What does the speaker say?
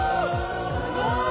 すごい。